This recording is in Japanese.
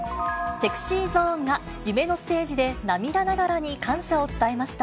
ＳｅｘｙＺｏｎｅが、夢のステージで涙ながらに感謝を伝えました。